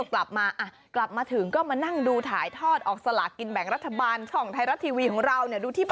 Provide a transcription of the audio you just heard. กลับมาถึงก็มานั่งดูถ่ายทอดออกสลากินแบ่งภาครัฐบาลช่องไทยรัฐทีวีของเรา